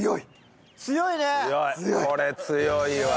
これ強いわ。